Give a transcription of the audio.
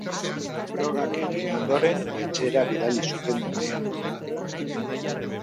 Frogak egin ondoren, etxera bidali zuten umea.